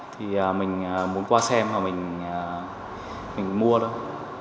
thì mình muốn qua xem mà mình mua thôi